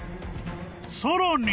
［さらに！］